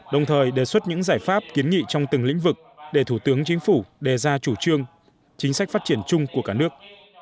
đồng thời đề xuất những giải pháp kiến nghị trong từng lĩnh vực để thủ tướng chính phủ đề ra chủ trương chính sách phát triển chung của cả nước